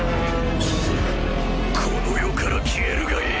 この世から消えるがいい！